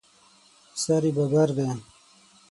سر یې ببر دی.